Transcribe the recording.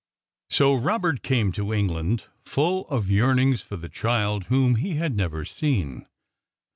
So Robert came to England, full of yearnings for the child whom he had never seen.